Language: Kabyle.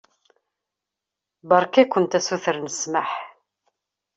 Beṛka-kent asuter n ssmaḥ.